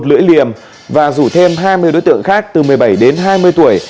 lưỡi liềm và rủ thêm hai mươi đối tượng khác từ một mươi bảy đến hai mươi tuổi